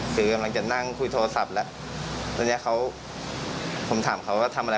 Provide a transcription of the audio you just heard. คือกำลังจะนั่งคุยโทรศัพท์แล้วตอนนี้เขาผมถามเขาว่าทำอะไร